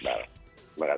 salam sehat mas ibarat